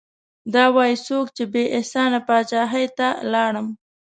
دا وايي څوک چې بې احسانه پاچاهي ته لاړم